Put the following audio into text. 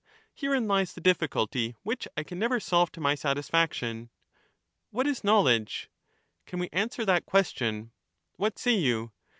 Herein lies the difficulty which I can never solve to proposes a my satisfaction — What is knowledge ? Can we answer that olf^^^^ question ? What say you